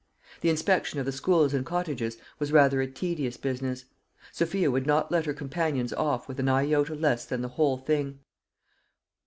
The inspection of the schools and cottages was rather a tedious business. Sophia would not let her companions off with an iota less than the whole thing.